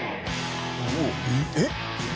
えっ？